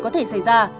có thể xảy ra